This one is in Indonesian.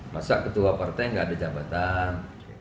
masa ketua partai nggak ada jabatan